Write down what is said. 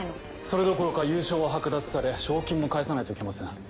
それどころか優勝は剥奪され賞金も返さないといけません。